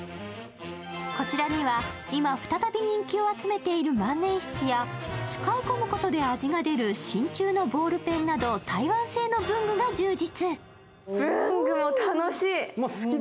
こちらには今、再び人気を集めている万年筆や使い込むことで味が出るしんちゅうのボールペンなど台湾製の文具が充実。